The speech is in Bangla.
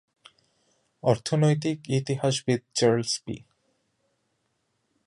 অর্থনৈতিক ইতিহাসবিদ চার্লস পি।